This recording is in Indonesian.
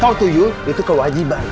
kalau tuyul itu kewajiban